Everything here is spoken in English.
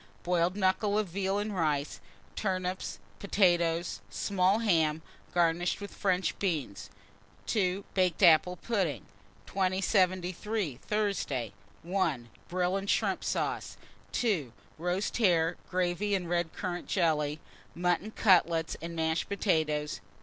Boiled knuckle of veal and rice, turnips, potatoes; small ham, garnished with French beans. 2. Baked apple pudding. 2073. Thursday. 1. Brill and shrimp sauce. 2. Roast hare, gravy, and red currant jelly; mutton cutlets and mashed potatoes.